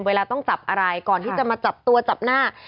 เวลาต้องจับอะไรก่อนที่จะมาจับตัวจับหน้า